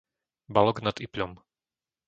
Balog nad Ipľom